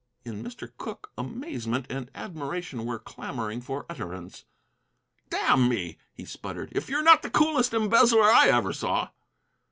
In Mr. Cooke amazement and admiration were clamoring for utterance. "Damn me," he sputtered, "if you're not the coolest embezzler I ever saw."